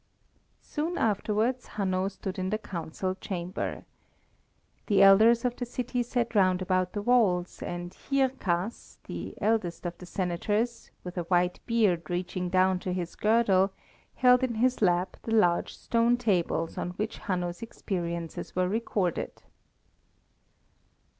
Soon afterwards Hanno stood in the council chamber. The elders of the city sat round about the walls, and Hierkas, the eldest of the Senators, with a white beard reaching down to his girdle, held in his lap the large stone tables on which Hanno's experiences were recorded.